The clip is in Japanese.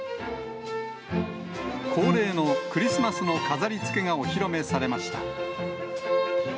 恒例のクリスマスの飾りつけがお披露目されました。